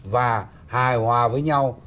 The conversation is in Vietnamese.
và hài hòa với nhau